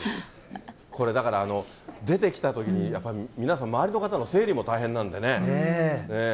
これだから、出てきたときに、やっぱり皆さん、周りの方の整理も大変なんでね。